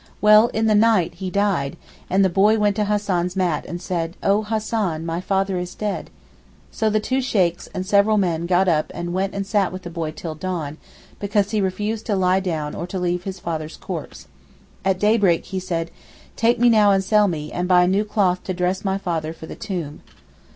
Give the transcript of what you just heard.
Well in the night he died and the boy went to Hassan's mat and said, 'Oh Hassan, my father is dead.' So the two Sheykhs and several men got up and went and sat with the boy till dawn, because he refused to lie down or to leave his father's corpse. At daybreak he said, 'Take me now and sell me, and buy new cloth to dress my father for the tomb.